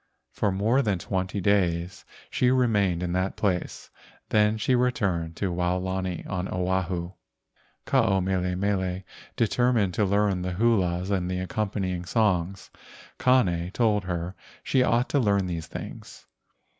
For more than twenty days she remained in that place. Then she returned to Waolani on Oahu. Ke ao mele mele determined to learn the hulas and the accompanying songs. Kane told her she ought to learn these things.